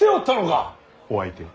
お相手を。